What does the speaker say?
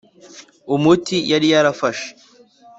umuti yari yarafashe,